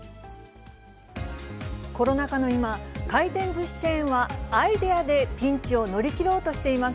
コロナ禍の今、回転ずしチェーンは、アイデアでピンチを乗り切ろうとしています。